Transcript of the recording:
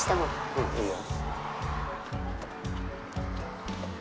うんいいよ。